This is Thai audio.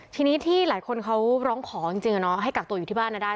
ค่ะทีนี้ที่หลายคนเขาร้องของจริงจริงอะเนาะให้กักตัวอยู่ที่บ้านอะได้